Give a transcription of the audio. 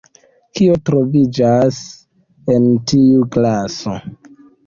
Kio troviĝas en tiu glaso?